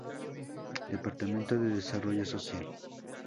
Departamento de Desarrollo Social.